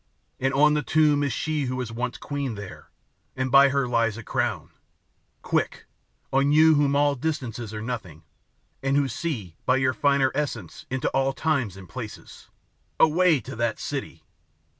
And on the tomb is she who was once queen there, and by her lies her crown. Quick! oh you to whom all distances are nothing, and who see, by your finer essence, into all times and places. Away to that city!